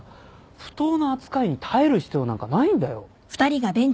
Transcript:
不当な扱いに耐える必要なんかないんだよ。